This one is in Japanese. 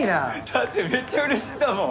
だってめっちゃうれしいんだもん。